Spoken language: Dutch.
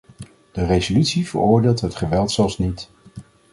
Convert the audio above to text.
De resolutie veroordeelt het geweld zelfs niet.